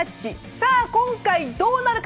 さあ、今回どうなるか。